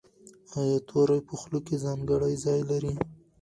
ایا توری په خوله کې ځانګړی ځای لري؟